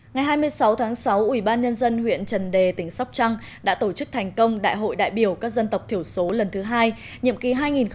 ngày hai mươi sáu tháng sáu ủy ban nhân dân huyện trần đề tỉnh sóc trăng đã tổ chức thành công đại hội đại biểu các dân tộc thiểu số lần thứ hai nhiệm kỳ hai nghìn một mươi chín hai nghìn hai mươi bốn